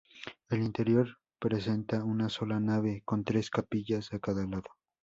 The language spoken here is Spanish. El interior presenta una sola nave, con tres capillas a cada lado.